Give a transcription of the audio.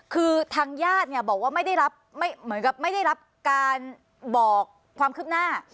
คือทางญาติเนี่ยบอกว่าไม่ได้รับเหมือนกับไม่ได้รับการบอกความคืบหน้า